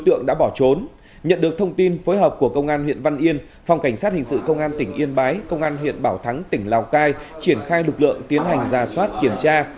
được thông tin phối hợp của công an huyện văn yên phòng cảnh sát hình sự công an tỉnh yên bái công an huyện bảo thắng tỉnh lào cai triển khai lực lượng tiến hành giả soát kiểm tra